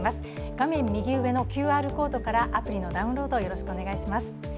画面右上のＱＲコードからアプリのダウンロードをお願いします。